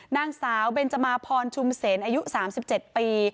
นางสาวเบนจมาพรชุมเสนอายุ๓๗ปี